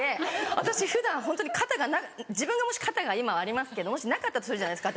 私普段ホントに自分がもし肩が今はありますけどもしなかったとするじゃないですか。